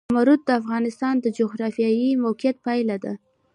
زمرد د افغانستان د جغرافیایي موقیعت پایله ده.